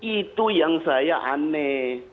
itu yang saya aneh